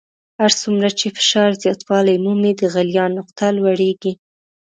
هر څومره چې فشار زیاتوالی مومي د غلیان نقطه لوړیږي.